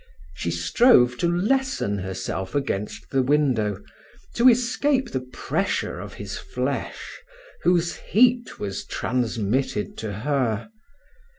She strove to lessen herself against the window, to escape the pressure of his flesh, whose heat was transmitted to her.